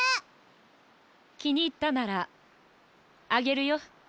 きにいったならあげるよ。